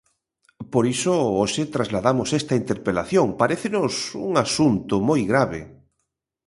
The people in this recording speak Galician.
Por iso, hoxe trasladamos esta interpelación, parécenos un asunto moi grave.